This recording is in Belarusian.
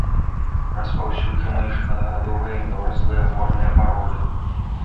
Распаўсюджаныя шматгадовыя мёрзлыя горныя пароды.